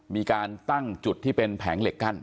มีการตั้งจุดที่เป็นแผงเหล็กกั้น